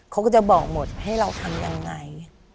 เขาก็จะบอกหมดให้เราทำยังไง